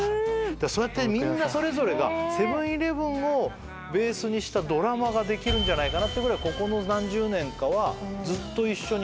そうやってみんなそれぞれがセブン―イレブンをベースにしたドラマができるんじゃないかってぐらいこの何十年かはずっと一緒にそういう生活のベースがあった。